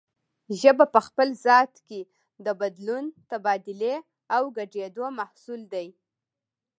ژبه په خپل ذات کې د بدلون، تبادلې او ګډېدو محصول دی